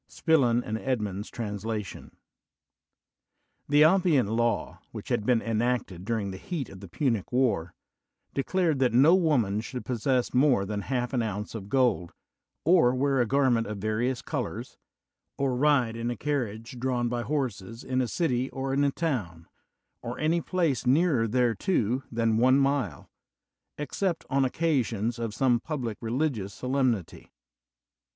Spillan and Edmonds translation. The Oppian Law which had been enacted " daring the heat of the Punic War," declared that no woman should possess more than half an ounce of gold, or wear a garment of various colors, or ride in a carriage drawn by horses in a city, or in a town, or any place nearer thereto than one mile, except on occasions of some public religious solemnity."